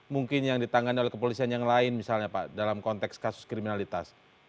mungkin yang ditangani oleh kepolisian yang lain misalnya pak dalam konteks kasus kriminalitas